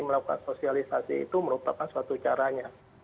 melakukan sosialisasi itu merupakan suatu caranya